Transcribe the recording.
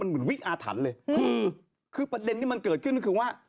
มันเหมือนวิ๊กอาถันเลยคือประเด็นที่มันเกิดขึ้นคือว่า